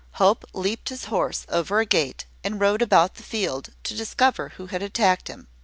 Hope leaped his horse over a gate, and rode about the field, to discover who had attacked him.